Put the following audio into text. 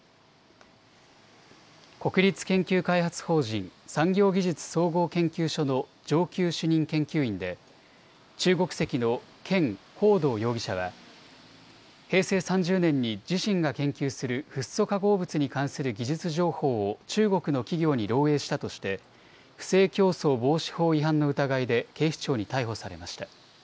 国立研究開発法人産業技術総合研究所の上級主任研究員で中国籍の権恒道容疑者は平成３０年に自身が研究するフッ素化合物に関する技術情報を中国の企業に漏えいしたとして不正競争防止法違反の疑いで警視庁に逮捕されました。